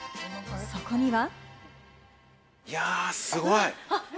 そこには。